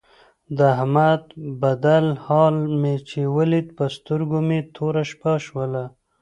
د احمد بدل حال مې چې ولید په سترګو مې توره شپه شوله.